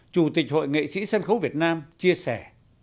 chủ tịch hội nghệ sĩ sân khấu việt nam chia sẻ